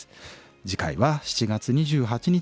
次回は７月２８日